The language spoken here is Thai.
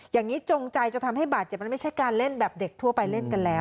จงใจจะทำให้บาดเจ็บมันไม่ใช่การเล่นแบบเด็กทั่วไปเล่นกันแล้ว